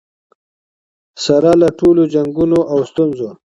سره له ټولو جنګونو او ستونزو.